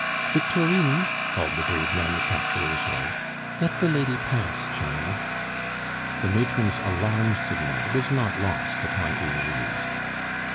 "Victorine!" called the braid manufacturer's wife, "let the lady pass, child." The matron's alarm signal was not lost upon Heloise.